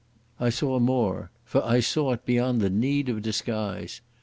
I saw more, for I saw it beyond the need of disguise.